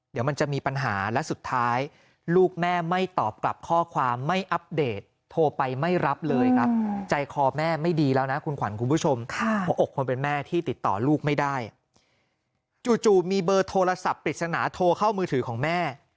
คุณผู้ชมออกความเป็นแม่ที่ติดต่อลูกไม่ได้จู่มีเบอร์โทรศัพท์ปริศนาโทรเข้ามือถือของแม่